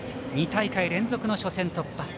２大会連続の初戦突破。